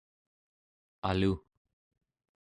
alu